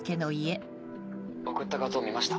送った画像見ました？